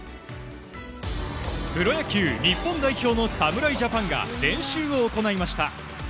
プロ野球日本代表の侍ジャパンが練習を行いました。